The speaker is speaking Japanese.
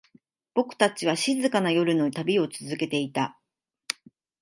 僕たちは、静かな夜の旅を続けていた。